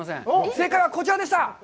正解はこちらでした！